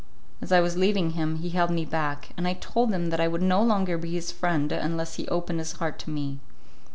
As I was leaving him, he held me back, and I told him that I would no longer be his friend unless he opened his heart to me.